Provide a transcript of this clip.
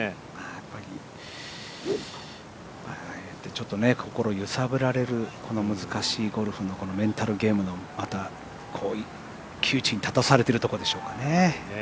やっぱりああやって心揺さぶられるこの難しいゴルフのメンタルゲームのこういう窮地に立たされてるところでしょうかね。